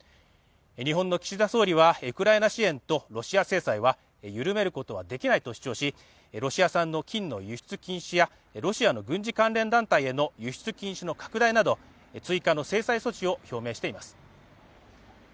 日本の岸田総理はウクライナ支援とロシア制裁は緩めることはできないと主張しロシア産の金の輸出禁止やロシアの軍事関連団体への輸出禁止の拡大など追加の制裁措置を表明しています。